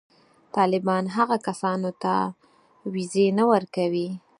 طالبان هغو کسانو ته وېزې نه ورکوي.